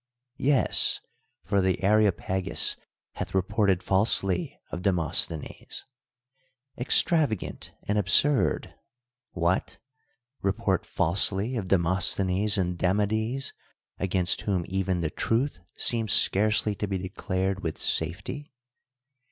"Yes; for the Areopagus hath reported falsely of Demosthenes. '' Extravagant and absurd ! What ! report falsely of Demosthenes and Demades, against whom even the truth seems scarcely to be declared with safety?